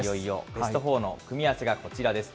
ベストフォーの組み合わせがこちらです。